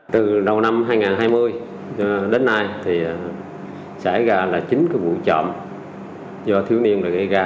từ đầu năm hai nghìn hai mươi đến nay thì xảy ra là chính cái vụ trộm do thiếu niên